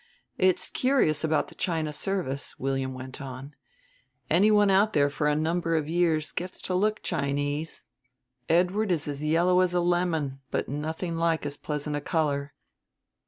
"It's curious about the China service," William went on; "anyone out there for a number of years gets to look Chinese. Edward is as yellow as a lemon, but nothing like as pleasant a color.